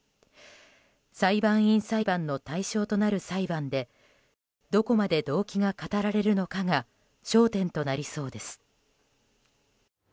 裁判員裁判の対象となる裁判でどこまで動機が語られるのかが焦点となりそうです。